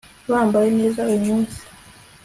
yambaye neza uyu munsi